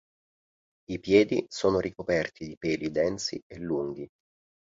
I piedi sono ricoperti di peli densi e lunghi.